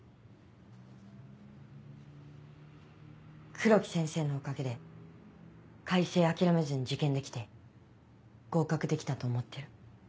黒木先生のおかげで開成諦めずに受験できて合格できたと思ってる。